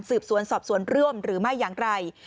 สืบสวนสอบสวนร่วมหรือไม่อย่างไร